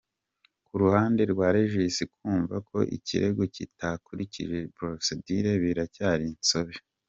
Ku ruhande rwa Regis kumva ko ikirego kitakurikije procedure biracyari insobe